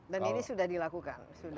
dan ini sudah dilakukan